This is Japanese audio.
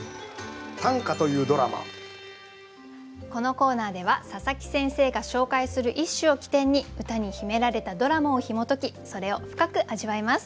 このコーナーでは佐佐木先生が紹介する一首を起点に歌に秘められたドラマをひも解きそれを深く味わいます。